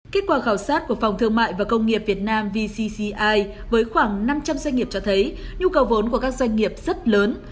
kết quả khảo sát của phòng thương mại và công nghiệp việt nam vcci với khoảng năm trăm linh doanh nghiệp cho thấy nhu cầu vốn của các doanh nghiệp rất lớn